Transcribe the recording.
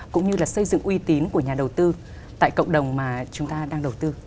cũng như là xây dựng uy tín của nhà đầu tư tại cộng đồng mà chúng ta đang đầu tư